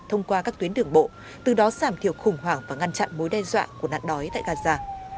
thông qua các tuyến đường bộ từ đó giảm thiểu khủng hoảng và ngăn chặn mối đe dọa của nạn đói tại gaza